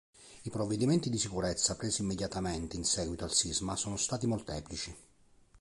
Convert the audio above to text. I provvedimenti di sicurezza presi immediatamente in seguito al sisma sono stati molteplici.